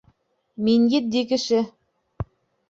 Мин етди кеше.